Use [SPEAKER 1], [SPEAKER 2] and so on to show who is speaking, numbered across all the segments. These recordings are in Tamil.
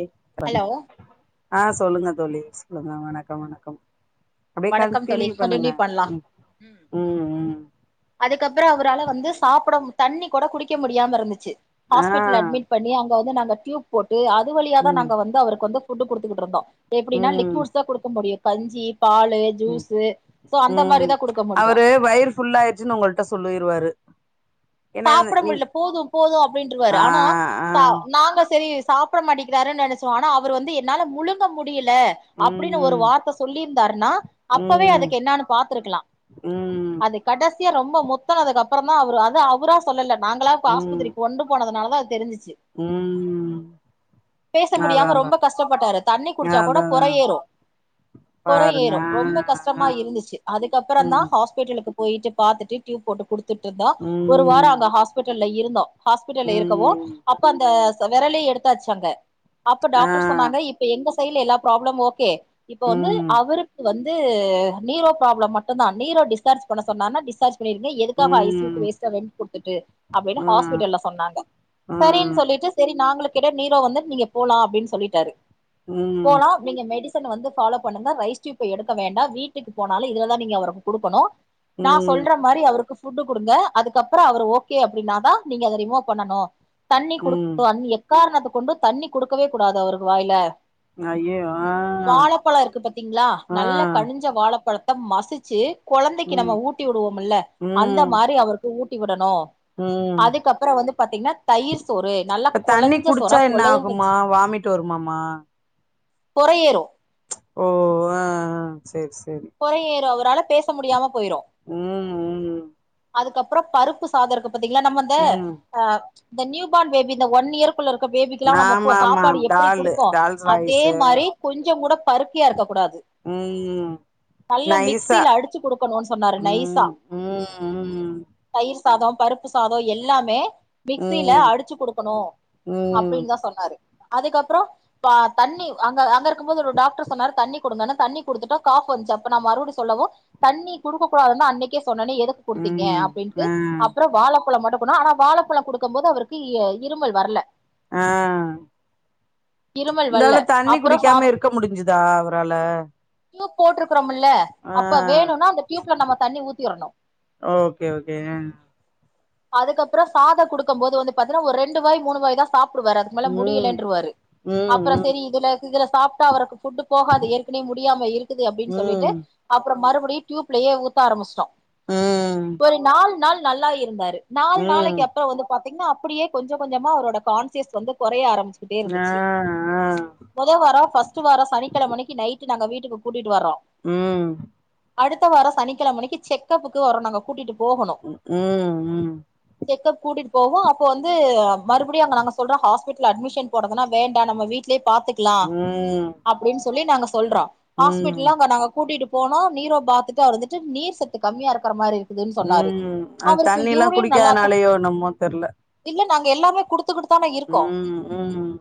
[SPEAKER 1] எ
[SPEAKER 2] ஹலோ
[SPEAKER 1] பண்ணங்க ஆ சொல்லுங்க தோழி சொல்லுங்க வணக்கம் வணக்கம் அப்டியே
[SPEAKER 2] வணக்கம் தோழி
[SPEAKER 1] பண்ணுங்க
[SPEAKER 2] கண்டினியூ பண்லா
[SPEAKER 1] ம்
[SPEAKER 2] ம் அதுக்கப்புறோ அவரால வந்து சாப்ட தண்ணி கூட குடிக்க முடியாம இருந்துச்சு
[SPEAKER 1] ஆ
[SPEAKER 2] ஹாஸ்பிட்டல்ல அட்மிட் பண்ணி அவங்க வந்து நாங்க டியூப் போட்டு அது வழியா தான்
[SPEAKER 1] ம்
[SPEAKER 2] நாங்க வந்து அவருக்கு வந்து புட்டு கொடுத்துக்கட்டு இருந்தோம் எப்படினா லிக்விட்ஸ் தான் கொடுக்க முடியும் பஞ்சீப்
[SPEAKER 1] உம் உம்
[SPEAKER 2] மாரிதா குடுக்க முடியு
[SPEAKER 1] அவரு வயிர் ஃபுல்லாயிடுச்சுன்னு உங்களிட்ட சொல்லிருவாரு ஏன்னா
[SPEAKER 2] சாப்பிட
[SPEAKER 1] நீங்க
[SPEAKER 2] முடியல போதும் போதும் அப்படின்றுவாறு
[SPEAKER 1] ஆ
[SPEAKER 2] ஆனா
[SPEAKER 1] ஆ
[SPEAKER 2] நாங்க சரி சாப்பிட மாட்டேகங்கிறாருன்னு நினச்சோம் ஆனா அவர் வந்து என்னால முழுங்க முடியல இல்ல அப்படின்னு ஒரு
[SPEAKER 1] ம்
[SPEAKER 2] வார்த்தை சொல்லியிருந்தாருன்னா அப்பவே
[SPEAKER 1] ம்
[SPEAKER 2] அதுக்கு என்னனு பார்த்திருக்கலாம்
[SPEAKER 1] ம்
[SPEAKER 2] அது கடைசி ரொம்ப முத்தனதுக்கு அப்புறம் தான் அவர் அது அவர் புரா சொல்லல நாங்களா
[SPEAKER 1] ம்
[SPEAKER 2] ஆஸ்பத்திரிக்கு கொண்டு போனதுனால தான் தெரி்சஞ்சுச்சு
[SPEAKER 1] ம்
[SPEAKER 2] பேச
[SPEAKER 1] அதா
[SPEAKER 2] முடியாம
[SPEAKER 1] பா
[SPEAKER 2] ரொம்ப கஷ்டப்பட்டாரு தண்ணி குடிச்சா கூட
[SPEAKER 1] அதா அதா
[SPEAKER 2] குறையேறும்
[SPEAKER 1] பாருங்க
[SPEAKER 2] குறையேறும்
[SPEAKER 1] ஆ
[SPEAKER 2] ரொம்ப
[SPEAKER 1] ஆ
[SPEAKER 2] கஷ்டமா இருந்துச்சு அதுக்கப்புறம்
[SPEAKER 1] ம்
[SPEAKER 2] தான் ஹாஸ்பிடலுக்கு போயிட்டு பார்த்துட்டு டீ போட்டு கொடுத்துட்டு தட்டு தான் ஒரு
[SPEAKER 1] ம்
[SPEAKER 2] வாரம் அங்க ஹாஸ்பிட்டல் ல்ல இருந்தோ ஹாஸ்பிட்டல் இருக்கவும்
[SPEAKER 1] ம்
[SPEAKER 2] அப்ப அந்த விரலே எடுத்தாச்சு அங்க அப்ப
[SPEAKER 1] ஆ
[SPEAKER 2] டாக்டர் சொன்னாங்க இப்ப எங்க செய்ல எல்லாம் ப்ராப்ளம் ஓகே இப்ப வந்து
[SPEAKER 1] ம்
[SPEAKER 2] அவருக்கு வந்து நீரோ ப்ராப்ளம் மட்டும் தான் நீரோ டிஸ்சார்ஜ் பண்ண சொன்னா டிஸ்சார்ஜ் இருங்க எதுக்காக
[SPEAKER 1] ம்
[SPEAKER 2] ஐசியூக்கு வேஸ்ட் ரெண்ட் கொடுத்துட்டு அப்படின்னு
[SPEAKER 1] ம்
[SPEAKER 2] ஹாஸ்பிட்டல்ல சொன்னாங்க சரின்னு
[SPEAKER 1] ம்
[SPEAKER 2] சொல்லிட்டு சரி நாங்களும் கிட்ட நீரோ வந்து நீங்க போலாம் அப்படின்னு சொல்லிட்டாரு
[SPEAKER 1] ம்
[SPEAKER 2] போலாம் நீங்க மெடிசின் வந்து பாலோ பண்ணுங்க ரைஸ் டியூப்ப எடுக்க வேண்டாம் வீட்டுக்கு போனாலும் இதுலதான் நீங்க அவருக்கு கொடுக்கணும் நான்
[SPEAKER 1] ம்
[SPEAKER 2] சொல்ற மாதிரி அவருக்கு புஃட் கொடுங்க அதுக்கு அ அப்புறம் அவர் ஓகே அப்படின்னாதான் நீங்க அதை ரிமூவ் பண்ணனும் தண்ணி
[SPEAKER 1] ம்
[SPEAKER 2] குடும் அ எக்காரணது கொண்டு தண்ணி குடுக்கவே கூடாது அவருக்கு வாயில
[SPEAKER 1] ஐயயோ ஆ
[SPEAKER 2] வாலபலம் இருக்கு பாத்தீங்களா
[SPEAKER 1] ஆ
[SPEAKER 2] நல்ல கணிஞ்ச வாழப்பலம் மசிச்சு கொழந்தைக்கு
[SPEAKER 1] ம்
[SPEAKER 2] நம்ம ஊட்டி விடுவோம்ல்ல அந்த மாதிரி அவரு ஊட்டி விடணும்
[SPEAKER 1] உம்
[SPEAKER 2] தயிர் சோறு நல்லா
[SPEAKER 1] இப்ப தண்ணி
[SPEAKER 2] கொழஞ்ச சோறா
[SPEAKER 1] குடிச்சா என்ன
[SPEAKER 2] கொழைய
[SPEAKER 1] ஆகுமா வாமிட் வருமாமா
[SPEAKER 2] பொறையேரும்
[SPEAKER 1] ஓ ஆஹ்ஹ் ச்சேரி சரி
[SPEAKER 2] பொறையேற அவ தல பேச முடியாம போயிரும்
[SPEAKER 1] உஹம் உம்
[SPEAKER 2] அதுக்கப்பறம் பருப்பு சாதம் பாத்தீங்களா நம்ம வந்து
[SPEAKER 1] ம்
[SPEAKER 2] ஆஹ் இந்த நியூ பார்ன் பேபி இந்த ஒன் இயர் ஸ்குலருக்க பேபிக்கு எல்லாம் நம்ம
[SPEAKER 1] ஆமா ஆமா
[SPEAKER 2] சாப்பாடு எப்படி
[SPEAKER 1] டாலு
[SPEAKER 2] கொடுப்போம்
[SPEAKER 1] டால்
[SPEAKER 2] அதே மாதிரி கொஞ்சம் கூட பருக்கியா இருக்கும்
[SPEAKER 1] உஹம் ம்
[SPEAKER 2] நல்ல
[SPEAKER 1] நைஸா
[SPEAKER 2] மிக்சியில அடிச்சு குடுக்கணும்னுு சொன்னாரு நைசா
[SPEAKER 1] ம் ம்
[SPEAKER 2] தயிர் சாதம் பருப்பு சாதம் எல்லாமே மிக்சியீல
[SPEAKER 1] ம்
[SPEAKER 2] அடிச்சு குடுக்கணும்
[SPEAKER 1] ம்
[SPEAKER 2] அப்படின்னு தான் சொன்னாரு அதுக்கப்புறம் தண்ணி அங்க அங்க இருக்கும் போது ஒரு டாக்டர் சொன்னரு தண்ணி குடுங்கன்னா தண்ணி குடுத்துட்டம் காஃப் வஞ்சிஅப்ப நான் மறுபடியும் சொல்லவும் தண்ணி குடுக்க கூடாதுன்னா அன்னைக்கே சொன்னனே எதுக்கு குடுத்தீங்க
[SPEAKER 1] ம்
[SPEAKER 2] அப்படின்ட்டு
[SPEAKER 1] ம்
[SPEAKER 2] அப்புறம் வாலப்பலம் மட்டும் ஆனா வாழைப்பழம் குடுக்கும் போது அவருக்கு இருமல் வரல
[SPEAKER 1] ஆஹ்
[SPEAKER 2] இருமல் வல்ல
[SPEAKER 1] இந்தால தண்ணி
[SPEAKER 2] அப்றோ சாப்
[SPEAKER 1] குடிக்காம இருக்க முடிஞ்சுதா அவரால
[SPEAKER 2] போட்ரப் இருக்ரும்ல்ல
[SPEAKER 1] ஆ
[SPEAKER 2] அப்ப வேணுனா அந்த டியூப்ல நம்ம தண்ணி ஊத்தி விரணும்
[SPEAKER 1] ஓகே ஓகே
[SPEAKER 2] அதுக்கப்பறம் சாதம் குடுக்கும்போது வந்து பாத்தீன்னா ஒரு ரெண்டு வாய் மூணு வாய் தான் சாப்பிடுவரு அது மேல
[SPEAKER 1] ம்
[SPEAKER 2] முடியலன்றுவாரு
[SPEAKER 1] ம்
[SPEAKER 2] அப்புறம்
[SPEAKER 1] ம்
[SPEAKER 2] செரி இதுல சாப்ட்டா அவருக்கு புட்டு போகாது ஏற்கனவே முடியாம இருக்கு அப்படின்னு சொல்லிட்டு
[SPEAKER 1] ம்
[SPEAKER 2] அப்புறம் மறுபடியும் இப்டி டியூப்லயே ஊத்த ஆரம்பிச்ட்டோம்
[SPEAKER 1] ம்
[SPEAKER 2] ஒரு நாலு நாள் நல்லா இருந்தாரு நாலு
[SPEAKER 1] ம்
[SPEAKER 2] நாளைக்கு அப்புறம் வந்து பா இன்னும் அப்புடியே கொஞ்ச கொஞ்சமா அவரோட கான்சியஸ் வந்து கொறைய ஆரம்ப சிட்டே
[SPEAKER 1] ஆ
[SPEAKER 2] இருந்துச்சு
[SPEAKER 1] ஆ
[SPEAKER 2] மொத வாரம் பர்ஸ்ட் வாரம் சனிக்கிழம அன்னைக்கி நைட்டு நாங்க வீட்டு கூட்டிட்டு வந்தோ
[SPEAKER 1] உம்
[SPEAKER 2] அடுத்த வாரம் சனிக்கிழம அன்னைக்கி செக்கப்புக்கு அவுர நாங்க கூட்டிட்டு
[SPEAKER 1] ஹூம் ஹூம்
[SPEAKER 2] செக் அப் கூட்டிட்டு போகவு அப்ப வந்து மறுபுடியு அங்க நாங்க சொல்ற ஹாஸ்பிட்டல்ல அட்மிஷன் போடதுனா வேண்டா நம்ம வீட்லயே பாத்துக்லா
[SPEAKER 1] ம்
[SPEAKER 2] அப்டின் சொல்லி நாங்க சொல்றோ
[SPEAKER 1] ம்
[SPEAKER 2] ஹாஸ்பிடல்ல அங்க நாங்க கூட்டிட்டு போனோ நீரோ பாத்துட்டு அவர் வந்துட்டு நீர் சத்து கமியா இருக்கற மாரி இருக்
[SPEAKER 1] ம் அந்த தண்ணில்லா குடிக்காதனாலயோ என்னமோ தெர்ல
[SPEAKER 2] அங்க எல்லாமே குடுத்து குட்டுதான இருக்கோ
[SPEAKER 1] ம் ம்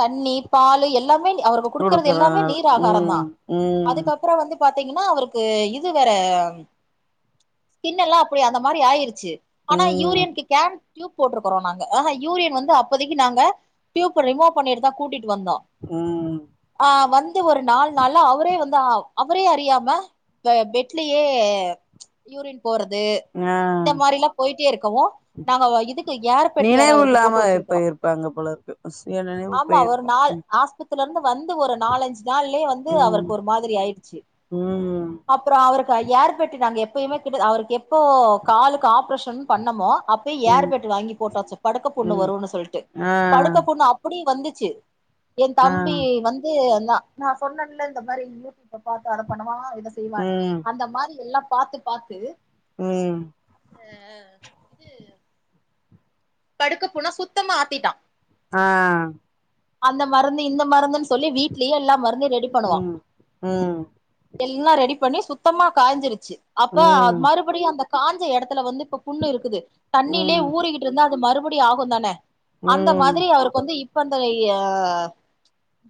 [SPEAKER 2] தண்ணி பாலு எல்லாமே அவருக்கு குடுக்குறது எல்லாமே
[SPEAKER 1] குடுக்குறனால
[SPEAKER 2] நீர்
[SPEAKER 1] ம்
[SPEAKER 2] ஆகாரந்தா
[SPEAKER 1] ம்
[SPEAKER 2] அதுக்கப்றோ வந்து பாத்திங்கன்னா அவருக்கு இது வேற ஸ்கின்னெல்லா அப்புடி அந்த மாரி ஆயிரு ச்சு ஆனா
[SPEAKER 1] ம்
[SPEAKER 2] யூரின்க்கு கேன் டியூப் போட்ருக்கறோ நாங்க யூரின் வந்து அப்பதைக்கு நாங்க டியூப்ப ரிமூவ் பண்ணிட்டுதா கூட்டிட் வந்தோ
[SPEAKER 1] ம்
[SPEAKER 2] ஆ வந் து ஒரு நாலு நாள்ல அவ ரே வந்து அவரே அறியாம அ பெட்லயே யூரின் போறது இந்த
[SPEAKER 1] ஆ
[SPEAKER 2] மாரில்லாம் போயிட்டே இருக்கவும் நாங்க இதுக்கு ஏர்பெட்டு வேற
[SPEAKER 1] நினைவு
[SPEAKER 2] அவருக்கு
[SPEAKER 1] இல்லாம
[SPEAKER 2] போட்டு வச்சிருக்கிறோம்
[SPEAKER 1] போயிருப்பாங்க போல இருக்கு சுய நினைவு
[SPEAKER 2] ஆமா ஒரு
[SPEAKER 1] போயிருக்கும்
[SPEAKER 2] நாள் ஆஸ்பத்திரி ஊர்லருந்து வந்து ஒரு நாலஞ்சு நாள்லயே வந்து அவரு
[SPEAKER 1] ம்
[SPEAKER 2] இப்ப ஒரு மாதிரி ஆயிடுச்சு
[SPEAKER 1] ம்
[SPEAKER 2] அப்புறம் அவருக் ஏர்பெட்டு நாங்க எப்பயுமே கிட்டதா அவருக்கு எப்போ காலுக்கு ஆப்ரேஷன் பண்ணமோ அப்பயே
[SPEAKER 1] ம்
[SPEAKER 2] ஏர்பெட் வாங்கி போட்டாச்சு படுக்க புண்ணு
[SPEAKER 1] ம்
[SPEAKER 2] வரும்னு சொல்லிட்டு
[SPEAKER 1] ஆ
[SPEAKER 2] படுக்க புண்ணு அப்புடியும் வந்துச் ச்சு என்
[SPEAKER 1] ஆ
[SPEAKER 2] தம்பி வந்து தா நான் சொன்னேன்ல இந்த மாரி யூடியூப்ல பாத்து பண்ணுவா செய்வானு
[SPEAKER 1] ம்
[SPEAKER 2] அந்த மாரி எல்லாப் பாத்து பாத்து
[SPEAKER 1] ம்
[SPEAKER 2] அ இது படுக்க போனா சுத்தமா ஆத்திட்டா
[SPEAKER 1] ஆஹ்
[SPEAKER 2] அந்த மருந்து இன்னும் மருந்துன்னு சொல்லி வீட்லயே எல்லா மருந்து ரெடி பண்ணுவோ
[SPEAKER 1] ம் ம்
[SPEAKER 2] எல்லா ரெடி பண்ணி சுத்தமாக காஞ்சிடுச்சு அப்ப அ
[SPEAKER 1] ம் ம்
[SPEAKER 2] மறுபடியு அந்த காஞ்ச எடத்துல வந்து அப்ப புண்ணு இருக்குது தண்ணிலே
[SPEAKER 1] ம்
[SPEAKER 2] ஊறிக்கிட்டு இருந்தா அ மறுபடி ஆகுந்தான அந்த
[SPEAKER 1] ம்
[SPEAKER 2] மாதிரி அவருக்கு வந்து இப்ப வந் நெறைய்ய‌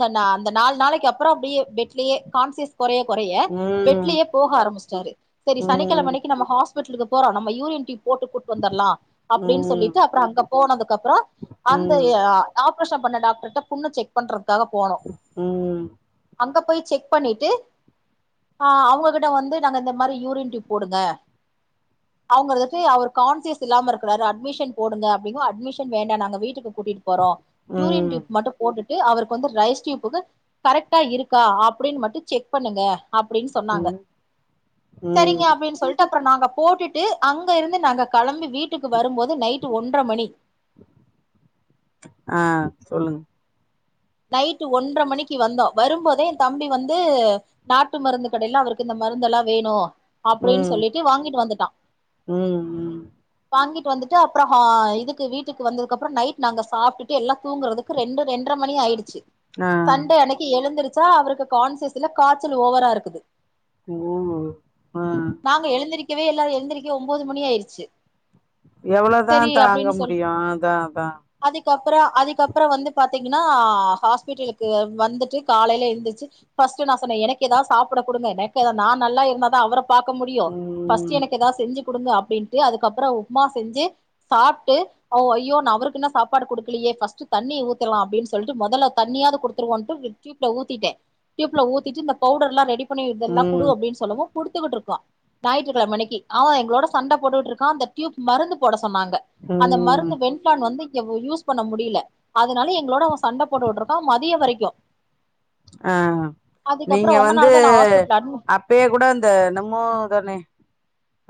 [SPEAKER 2] அந்த அந்த நாலு நாளைக்கு அப்பறோ அப்டியே பெட்லயே கான்சியஸ் கொறைய கொறைய
[SPEAKER 1] ம் ம்
[SPEAKER 2] பெட்லேயே போக ஆரம்பிச்சிட்டாரு சேரி
[SPEAKER 1] ம்
[SPEAKER 2] சனிக்கெழம அன்னக்கி நம்ம ஹாஸ் பிட்லுக்கு போறோ நம்ம யூரின் டியூப் போட்டு கூப்ட் வந்தர்லா அப்டின்னு
[SPEAKER 1] ம்
[SPEAKER 2] சொல்லிட் டு அப்றோ அங்க போனதுக்கப்றோ அந்த எ ஆப் ப்ரேஷம் பண்ண டாக்டர்ட்ட புண்ணு செக் பண்றது க்காக போனோ
[SPEAKER 1] ம்
[SPEAKER 2] அங்க போய் செக் பண்ணிட்டு‌ ஆ அவுங்கக்கிட்ட வந்து நாங்க இந்த மாரி யூரின் டியுப் போடுங்க அவுங்களுக்கு‌ அவர் கான்சியஸ் இல்லாம இருக்குறாரு அட்மிஷன் போடுங்க அப்டின்னு அட்மிஷன் வேண்டா நாங்க வீட்டுக்கு கூட்டிட்டு போறோ யூரின்
[SPEAKER 1] ம்
[SPEAKER 2] டியூப் மட்டு போட்டுட்டு அவருக்கு வந்து ரைஸ் டியுப்புக்கு கரெக்டா இருக்கா அப்டின்னு மட்டு செக் பண்ணுங்க அப்டின்னு சொன்னாங்க சரிங்க
[SPEAKER 1] ம்
[SPEAKER 2] அப்டின்னு சொல்லிட்டு அப்போ நாங்க போட்டுட்டு அங்கருந்து நாங்க கெளம்பி வீட்டுக்கு வரும்போது நைட் டு ஒன்ட்ர மணி
[SPEAKER 1] ஆ சொல்லுங்க
[SPEAKER 2] நைட்டு ஒன்ற மணிக்கி வந்தோ வரும்போதே என் தம்பி வந்து நாட்டு மருந்து கடையில அவருக்கு இந்த மருந்தெல்லா வேணு அப்டின்னு
[SPEAKER 1] ம்
[SPEAKER 2] சொல்லிட்டு வாங்கிட்டு வந்துட்டா
[SPEAKER 1] ம் ம்
[SPEAKER 2] வாங்கிட் டு வந்துட்டு அப்றோ ஹா இதுக்கு வீட்டுக்கு வந்ததுக்கப்ற நைட் நாங்க சாப்டுட்டு எல்லா தூங்கறதுக்கு ரெண்டு ரெண்டர மணி ஆயி ச்சு
[SPEAKER 1] ஆ
[SPEAKER 2] சண்டே அன்னைக்கி எழுந்துருச் ‌ச்சா அவருக்கு கான்சியஸ்சில்ல காச்சல் ஓவரா இருக்குது
[SPEAKER 1] உம் ஹா
[SPEAKER 2] நாங்க எழுந்திரிக்கவே இல்லை எல்லாரு எழுந்திரக்க ஒம்பது மணி ஆயிருச்சு
[SPEAKER 1] எவ்ளோதா
[SPEAKER 2] செரி
[SPEAKER 1] தாங்க முடியு அதா அதா
[SPEAKER 2] அதுக்கப்பறோ அதுக்கப்பறோ வந்து பாத்தீங்கன்னா ஹாஸ்பிட்டலுக்கு வந்துட்டு காலையில எந்துருச்சு பஸ்டு நா சொன்ன எனக்கு எதா சாப்புட குடுங்க என நா நல்லா இருந்தாத அவர பாக்க முடியு ஃபஸ்ட்
[SPEAKER 1] ம்
[SPEAKER 2] எனக்கு எதா செஞ்சி குடுங்க அப்ப செஞ்சு அதுக்கப்றோ உப்மா செஞ்சு சாப்ட்டு அ ஐயோ நா அவருக்கு இன்னு சாப்பாடு குடுக்கலையே ஃபஸ்டு தண்ணி ஊத்திர்லா அப்டின் சொல்ட்டு மொதல்ல தண்ணியாது குடுத்துருவோன்ட்டு டியூப்ல ஊத்திட்ட டியூப்ல ஊத்திட்டு இந்த பவுடர்லா ரெடி இதெல்லா குடு
[SPEAKER 1] ம்
[SPEAKER 2] அப்டின்னு சொல்லவு குடுத்துக்குட்டு இருக்கோ ஞாயிற்றுக்கிழம அண்ணிக்கி அவன் எங்களோட சண்ட போட்டுட்டு இருக்கா அந்த டியூப் மருந்து போட சொ சொன்னாங்க அந்த
[SPEAKER 1] ம்
[SPEAKER 2] மருந்து வென்பிளான் வந்து யூஸ் பண்ண முடியல அதனால எங்களோட அவன் சண்டை போடற அ மதியோ வரைக்கு
[SPEAKER 1] ஆஹ் நீங்க வந்து
[SPEAKER 2] உங்கனால தான் நான் ஹாஸ்பிட்டல் அட்மிட்
[SPEAKER 1] அப்பயே கூட இந்த நம்மோ தனே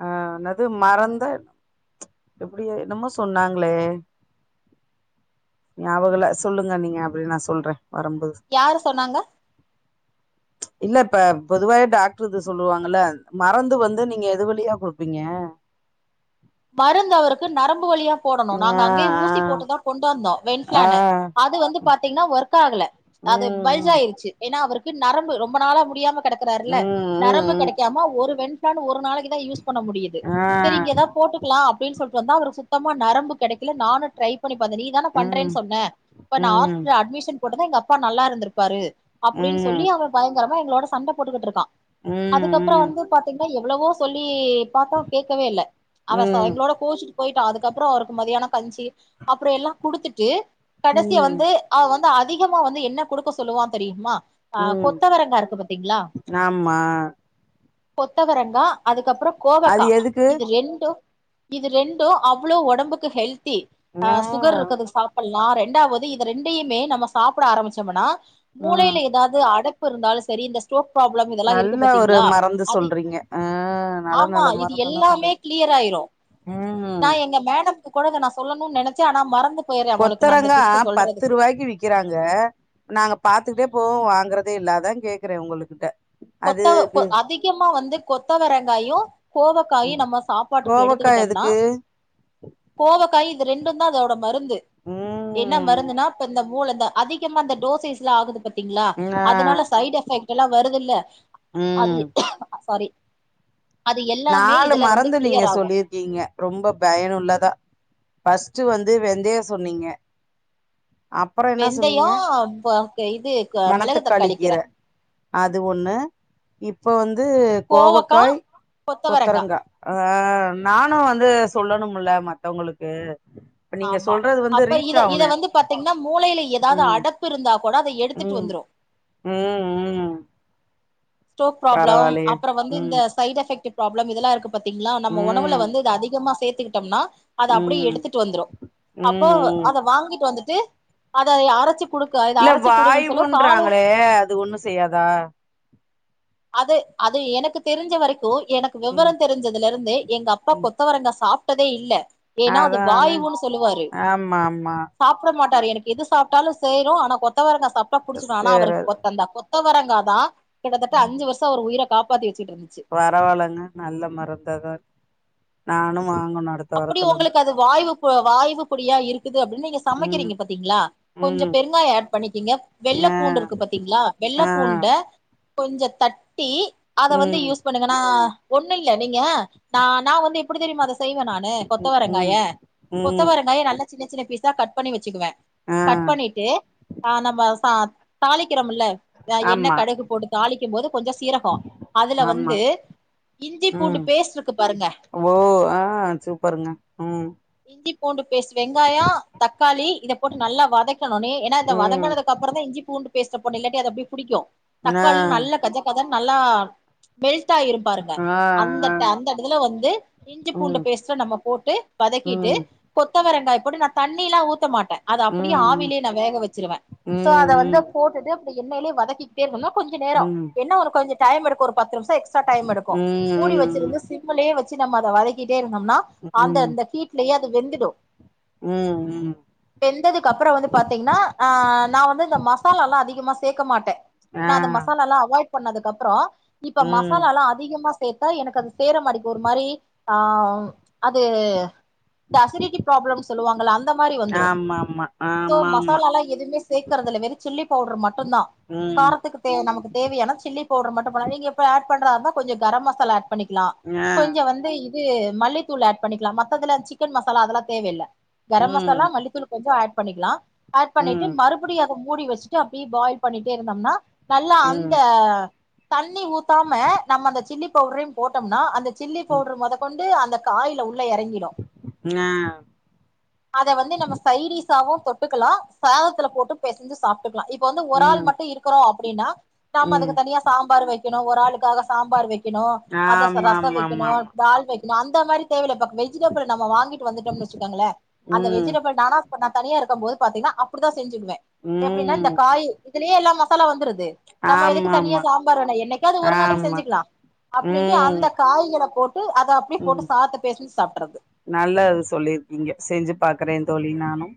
[SPEAKER 1] ஆஹ் அதாது மறந்தா [inaudible] எப்டியோ என்னமோ சொன்னாங்களே நியாபகோ இல்ல சொல்லுங்க நீங்க அப்படி நா சொல்ற
[SPEAKER 2] யாரு சொன்னாங்க
[SPEAKER 1] இல்ல இப்ப பொதுவாவே டாக்டர் இது சொல்லுவாங்கல்ல மறந்து வந்து நீங்க எதுவ ப்ரீயா குடுப்பீங்க
[SPEAKER 2] மருந்து அவருக்கு நரம்பு வழியா போடணு நாங்க
[SPEAKER 1] ஆ
[SPEAKER 2] அங்கே ஊசி போட்டு தா கொண்டாந்தோ
[SPEAKER 1] ஆ ஆ
[SPEAKER 2] வென்பிளான் அது வந்து பாத்தீங்கன்னா ஒர்க்கா ஆகல அது
[SPEAKER 1] ம்
[SPEAKER 2] பல்ஜாயிடுச்சு ஏனா அவருக்கு நரம்பு ரொம்ப நாள முடியாம
[SPEAKER 1] ம்
[SPEAKER 2] கெடக்குறார்ல
[SPEAKER 1] ம்
[SPEAKER 2] நரம்பு
[SPEAKER 1] ம்
[SPEAKER 2] கெடைக்காம ஒரு வெண் [unintelligible] ஒரு நாளைக்கு தா யூஸ் பண்ண முடியுது
[SPEAKER 1] ம்
[SPEAKER 2] செரி இங்க தா
[SPEAKER 1] ஆ
[SPEAKER 2] போட்டு அப்டின்னு சொல்லிட்டு வந்தா அவருக்கு சுத்தமா நரம்பு கெடைக்கல நானு ட்ரை பண்ணி பாத்துட்ட நீ தான
[SPEAKER 1] ம்
[SPEAKER 2] பண்றன் சொன்ன இப்ப நா
[SPEAKER 1] ம்
[SPEAKER 2] ஹாஸ்பிட்டல் அட்மிஷன் போட்டு இருந்தா எங்க அப்பா நல்லா இருந்திருப்பாரு அப்டின்னு சொல்லி
[SPEAKER 1] ம்
[SPEAKER 2] அவர் பயங்கரமா எங்களோட சண்ட போட்டுக்கிட்டு இருக்கான்
[SPEAKER 1] ம்
[SPEAKER 2] அதுக்கப்பறன
[SPEAKER 1] ம்
[SPEAKER 2] வந்து பாத்தீங்கன்னா எவ்வளவோ சொல்லி பாத்தோ கேக்கவே இல்ல அவ
[SPEAKER 1] ம்
[SPEAKER 2] எங்களோட கூச்சிட்டு போயிட்டான் அதுக்கப்புறம் அவரு மதியான கஞ்சி அப்புறம் எல்லாம் குடுத்துட்டு கடைசிய
[SPEAKER 1] ம்
[SPEAKER 2] வந்து அவ வந்து அதிகமா வந்து என்ன கொடுக்க சொல்லுவான்னு தெரியுமா அஹ்
[SPEAKER 1] ம்
[SPEAKER 2] கொத்தவரங்கா இருக்கு பத்தீங்களா
[SPEAKER 1] ஆமா
[SPEAKER 2] பொத்தவரங்கா அதுக்கு து அப்புறம்
[SPEAKER 1] அது
[SPEAKER 2] கோவக்காய
[SPEAKER 1] எதுக்கு
[SPEAKER 2] இது ரெண்டு இது ரெண்டும் அவ்வளோ உடம்புக்கு ஹெல்த் த்தி அ
[SPEAKER 1] ஆ
[SPEAKER 2] சுகர் இருக்கறதுக்கு சாப்பிடல இரண்டாவது இது ரெண்டுமே நம்ம சாப்பிட ஆரம்பிச்சோம்னா
[SPEAKER 1] ஆ
[SPEAKER 2] மூளையில ஏதாவது அட இருந்தாலும் சரி இந்த ஸ்டரோக் பராப்ளம் இதெல்லாம் இருக்கு
[SPEAKER 1] நல்ல ஒரு
[SPEAKER 2] பாத்தீங்களா
[SPEAKER 1] மருந்து
[SPEAKER 2] அ
[SPEAKER 1] சொல்றீங்க ஆ நல்ல
[SPEAKER 2] ஆமா
[SPEAKER 1] நல்ல
[SPEAKER 2] இது
[SPEAKER 1] மருந்தெல்லா
[SPEAKER 2] எல்லாமே
[SPEAKER 1] சொல்றீங்க
[SPEAKER 2] கிளியர் ஆயிரு
[SPEAKER 1] ம்
[SPEAKER 2] நான் எங்க மேடம் கூட நான் சொல்லணும்னு நினைச்சே ஆன மறந்து போயிறே உங்களுக்கு நா அந்த
[SPEAKER 1] கொத்தரங்காய
[SPEAKER 2] டிப்ஸ
[SPEAKER 1] பத்து
[SPEAKER 2] சொல்றதுக்கு
[SPEAKER 1] ரூபாய்க்கு விக்கிறாங்க நாங்க பாத்துட்டே
[SPEAKER 2] ம்
[SPEAKER 1] போவோம் வாங்கறது அ இல்லாதான் கேக்குறேன் உங்ககிட்ட அதுக்கு
[SPEAKER 2] கொத்த அதிகமா வந்து கொத்தவரங்காயும் கோவைக்காய்
[SPEAKER 1] ம்
[SPEAKER 2] நம்ம சாப்பாட்டுக்கு
[SPEAKER 1] கோவக்கா
[SPEAKER 2] எடுத்துக்கிட்டோம்னா
[SPEAKER 1] எதுக்கு
[SPEAKER 2] கோவக்காய் ரெண்டும் தான் அதோட மறு ந்து என்ன
[SPEAKER 1] ம்
[SPEAKER 2] மருந்துனா இப்ப இந்த [unintelligible] அதிகமா அந்த டோசைஸ்ல ஆகு பத்தி ங்களா
[SPEAKER 1] ஆ
[SPEAKER 2] அதனால சைட் எஃபெக்ட் எல்லாம் வருது இல்ல அது
[SPEAKER 1] ம்
[SPEAKER 2] சாரி அது எல்லாமே
[SPEAKER 1] நாலு
[SPEAKER 2] இதுல வந்து
[SPEAKER 1] மறந்து நீங்க
[SPEAKER 2] கிளியர் ஆகு
[SPEAKER 1] சொல்லிருக்கீங்க ரொம்ப பயனுள்ளதா பஸ்ட்ட் வந்து வெந்தய சொன்னீங்க அப்புறம் என்ன
[SPEAKER 2] வெந்தயோ
[SPEAKER 1] சொன்னீங்க
[SPEAKER 2] இது மிளகு தக்காளி கீர
[SPEAKER 1] மணத்தக்காளிகிற அது ஒண்ணு இப் இப்ப வந்து அது
[SPEAKER 2] கோவக்கா
[SPEAKER 1] கோவக்காய்
[SPEAKER 2] கொத்தவரங்கா
[SPEAKER 1] கொத்தரங்கா அஹ
[SPEAKER 2] ம்
[SPEAKER 1] நானும் வந்து சொல்லணும்ல மத்தவங்களுக்கு இப்ப நீங்க
[SPEAKER 2] ஆமா
[SPEAKER 1] சொல்றது வந்து
[SPEAKER 2] அப்ப
[SPEAKER 1] ரீச்
[SPEAKER 2] இத இத
[SPEAKER 1] ஆகணு
[SPEAKER 2] வந்து பாத்தீங்கன்னா மூளையில ஏதாவது
[SPEAKER 1] ம்
[SPEAKER 2] அடப்பு இருந்தா கூட அதை எடுத்துட்டு
[SPEAKER 1] ம்
[SPEAKER 2] வந்துரும்
[SPEAKER 1] ம் ம்
[SPEAKER 2] ஸ்டோக் ப்ராப்ளம்
[SPEAKER 1] பரவாயில்லையே
[SPEAKER 2] அப்புறம் வந்து இந்த
[SPEAKER 1] ம்
[SPEAKER 2] சைடு எஃபெக்ட் பிராப்ளம் இதல்லாம் இருக்கு பாத்தீங்களா நம்ம உணவுல
[SPEAKER 1] ம் ம்
[SPEAKER 2] வந்து இது அதிகமா சேர்த்து கிட்டோம்னா அத அப்படியே
[SPEAKER 1] ம்
[SPEAKER 2] எடுத்துட்டு வந்துரும் அப்போ
[SPEAKER 1] ம்
[SPEAKER 2] அத வாங்கிட்டு வந்துட்டு அத அரச்சி
[SPEAKER 1] இல்ல வாய்வுன்றாங்களே அது ஒண்ணும் செய்யாதா
[SPEAKER 2] அது அது எனக்கு தெரிஞ்ச வரைக்கும் எனக்கு
[SPEAKER 1] ம்
[SPEAKER 2] விவரம் தெரிஞ்சதுல இருந்து எங்க அப்பா
[SPEAKER 1] ம்
[SPEAKER 2] கொத்தவரங்க சாப்பிட்டு டதே இல்ல ஏன்னா அது
[SPEAKER 1] அதானு
[SPEAKER 2] வாயவுன்னு சொல்லுவாரு
[SPEAKER 1] ஆமா ஆமா
[SPEAKER 2] சாப்பிட மாட்ட எனக்கு எது சாப்பிட்டாலும் சயரும் ஆனா கொத்தவரங்க தப்பா புடிச்சுகும்
[SPEAKER 1] சேரி
[SPEAKER 2] அவருக்குந்தா கொத்த வரங்காதான் கிட்டத்தட்ட அஞ்சு வருஷம் ஒரு உயிர காப்பாதிருக்கு
[SPEAKER 1] பரவாயலங்க நல்ல மருந்த தான் நானும்
[SPEAKER 2] அப்படி உங்களுக்கு அது வாய்வு வாய்வு குடியா இருக்குது அப்படின்னு நீங்க
[SPEAKER 1] ம்
[SPEAKER 2] சமைக்கிறீங்க பாத்தீங்களா
[SPEAKER 1] ம்
[SPEAKER 2] கொஞ்சம் பெருங்காயம் ஆட் பண்ணிக்கீங்க வெள்ளை
[SPEAKER 1] ஆ
[SPEAKER 2] பூண்டு இருக்கு பாத்தீங்களா வெள்ள
[SPEAKER 1] ஆ
[SPEAKER 2] பூண்ட கொஞ்சம் த டி அத வந்து
[SPEAKER 1] ம்
[SPEAKER 2] யூஸ் பண்ணுங்கன்னா ஒண்ணும் இல்ல நீங்க ந நான் வந்து எப்படி தெரியுமா அதை செய்வே
[SPEAKER 1] ம்
[SPEAKER 2] கொத்தவரங்காய
[SPEAKER 1] ம் ம்
[SPEAKER 2] கொத்தவரங்காய நல்ல சின்ன சின்ன பீஸ் க் பண்ணி வச்சக்குவேன்
[SPEAKER 1] ஆ
[SPEAKER 2] கட் பண்ணிட்டு ஆஹ் நம்ம தளை இகுரொம்ல என்ன
[SPEAKER 1] ஆமா
[SPEAKER 2] கடகு போட்டு தாளிக்க மு [unintelligible] கொஞ்சம் சீரகம் அதுல
[SPEAKER 1] ஆமா
[SPEAKER 2] வந்து இஞ்சி பூண்டு
[SPEAKER 1] ம்
[SPEAKER 2] பேஸ்ட் இருக்கு பாருங்க
[SPEAKER 1] ஓ ஆ சூப்பருங்க ம்
[SPEAKER 2] இஞ்சி பூண்டு பேஸ் வெங்காயம் தக்காளி இதை போட்டு நல்லா வதக்கணும்னே ஏன்னா இத
[SPEAKER 1] ம்
[SPEAKER 2] வதங்கினதுக்குப்புறம் தான் இஞ்சி பூண்டு பேஸ்ட போட இல்லாட்ட அத அப்படே பிடிக்கும்
[SPEAKER 1] ஆ
[SPEAKER 2] தக்காளி நல்லா கத கதன்னு நல்லா வெளி ஆயிரு பாருங்க
[SPEAKER 1] ஆ
[SPEAKER 2] அந்த
[SPEAKER 1] ஆ
[SPEAKER 2] அந்த இடத்துல வந்து இஞ்சி பூண்ட
[SPEAKER 1] ம்
[SPEAKER 2] பேஸ்ட நம்ம போட்டு வதக்கிட்டு
[SPEAKER 1] ம்
[SPEAKER 2] கொத்தவரங்காய் நான் தண்ண எல்ல ஊத்த மாட்டேன் அதை அப்படியே
[SPEAKER 1] ம்
[SPEAKER 2] ஆவிலேயே நான் வேக வச்சிருவேன் சோ அதை வந்து
[SPEAKER 1] ம்
[SPEAKER 2] போட்டுட்டு என்னிலே வதக்கிட்டேர்ன்னும் கொஞ்சம் நேரம்
[SPEAKER 1] ம்
[SPEAKER 2] என்ன உன கொஞ்சம் டயம் எடுக்கும் ஒரு பத்து நிமிஷம் எக்ஸ்ட்ரா டைம் எடுக்கும்
[SPEAKER 1] ம்
[SPEAKER 2] மூடி
[SPEAKER 1] ம்
[SPEAKER 2] வச்சிருந்து சிம்மலயே வச்சு நம்ம அதை வதைக்கி கிட்டே இருந்தம்னா அந்த
[SPEAKER 1] ம்
[SPEAKER 2] அந்த ஹீட்லேயே வெந்துடும்
[SPEAKER 1] ம் ம்
[SPEAKER 2] வெந்ததுக்கு அப்புறம் வந்து பாத்தீங்கன்னா அஹ் நான் வந்து இந்த மசாலா எல்லாம் அதிகமா சேர்க்க மாட்டேன்
[SPEAKER 1] ஆ
[SPEAKER 2] ஏன்னா அந்த மசாலா எல்லாம் அவாய்ட் பண்ணதுக்கு அப்புறம் இப்ப
[SPEAKER 1] ம்
[SPEAKER 2] மசாலா எல்லாம் அதிகமா சேர்த்தா அது சேர மாடிக்கு ஒரு மாதிரி ஆஹ் அது இந்த அசடிட்டடி பராப்ளம் சொல்லுவாங்கள அந்த மாதிரி வந்துரும்
[SPEAKER 1] ஆமாமா
[SPEAKER 2] சோ
[SPEAKER 1] ஆமாமா
[SPEAKER 2] மசாலாலாம் எதுவுமே சேர்க்கறதுல்ல சில்லி பவுடர் மட்டும் மட்டும் தான்
[SPEAKER 1] ம்
[SPEAKER 2] காரத்துக்கு தே நமக்கு தேவையானா சில்லி பவுடர் மட்டும்தான் நீங்க பண்றா அது கொஞ்சம் கரம் மசாலா ஆட் பண்ணிக்கலாம்
[SPEAKER 1] ஆ
[SPEAKER 2] கொஞ்சம் வந்து மல்லித்தூள் ஆட் பண்ணிக்கலாம் மத்ததுல சிக்கன் மசாலா அதெல்லாம் தேவையில்ல கரம் மசாலா
[SPEAKER 1] ம்
[SPEAKER 2] மல்லித்தூள் கொஞ்சம் ஆட் பண்ணிக்கலாம் ஆட் பண்ணிட்டு
[SPEAKER 1] ம்
[SPEAKER 2] மறுபடியும் அத பூடி வச்சுட்டு அப்டியே பாயில் பண்ணிகிட்டே இருந்தோம்னா நல்லா அந்த
[SPEAKER 1] ம்
[SPEAKER 2] தண்ணி ஊத்தாம நம்ம அந்த சில்லி பவுடரையும் போட்டோம்னா அந்த சில்லி
[SPEAKER 1] ம்
[SPEAKER 2] பவுடர் மொத அந்த காயல இறங்கிடும்
[SPEAKER 1] ஆ
[SPEAKER 2] அதை வந்து நம்ம சைரிசாவும் தொட்டு க்கலாம் சதத்துல போட்டு பேசஞ்சு சாப்பிட்டு இப்ப வந்து ஒரு ஆல்
[SPEAKER 1] ம்
[SPEAKER 2] மட்டும் இருக்கிறோம் அப்படின்னா
[SPEAKER 1] ம்
[SPEAKER 2] அதுக்கு தனியா சாம்பார் வைக்கணும்ளுக்காக சாம்பார் வைக்கணும் ரசம்
[SPEAKER 1] ஆமாமாமாமா
[SPEAKER 2] வைக்கும் வைக்கும் அந்த மாதிரி தேவை இல்லை பட் வெஜிடபிள் நம வாங்கிட்டு வந்துட்டம்னு வச்சுக்காங்கள அந்த
[SPEAKER 1] ம்
[SPEAKER 2] வெஜிடபிள் நானா நான் தனியா இருக்கும் போது பாத்தீன்னா அப்படிதான் செஞ்சுடுவேன் எப்படின்னா இந்த
[SPEAKER 1] ம்
[SPEAKER 2] காய் இதுலயே எல்லாம் மசாலா வந்துது நம்ம எதுக்கு தனியா
[SPEAKER 1] ஆமாமா
[SPEAKER 2] சாம்பார் வேண என்க்க அது ஒரு நாளைக்கு
[SPEAKER 1] ஆமா
[SPEAKER 2] செஞ்சுக்கலாம் அப்படின் அந்த காய்களை போட்டு அது
[SPEAKER 1] உம் நல்ல அது சொல்லிருக்கீங்க செஞ்சு பாக்குறேன் தோழி நானும்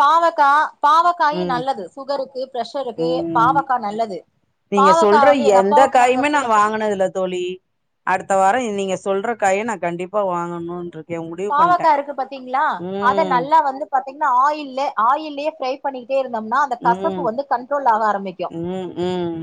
[SPEAKER 2] பாவகா பாவக்காயும் நல்லது சுகருக்கு ப்ரெஷருக்கு
[SPEAKER 1] ம்
[SPEAKER 2] பாவக்காய் நல்லது
[SPEAKER 1] நீங்க சொல்ற
[SPEAKER 2] பாவக்காய் வந்து எங்க
[SPEAKER 1] எந்த
[SPEAKER 2] அப்பாவுக்கு நாங்க
[SPEAKER 1] காயுமே
[SPEAKER 2] கொடுத்தது
[SPEAKER 1] அத்த வாரம் நீங்க சொல்ற காயை நான் கண்டிப்பா வாங்கணும்ன்ற
[SPEAKER 2] பாவக்கா இருக்கு பாத்தீங்களா அத
[SPEAKER 1] ம்
[SPEAKER 2] நல்லா வந்து பாத்தீங்கன்னா ஆயில் ஆயிலயே ட்ரை பண்ணி இருக்கு இருந்தோம்னா அந்த கசப்பு
[SPEAKER 1] ம்
[SPEAKER 2] வந்து கண்ட்ரோல் ஆக ஆரம்பிக்கும்
[SPEAKER 1] ம் ம்